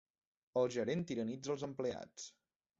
El gerent tiranitza els empleats.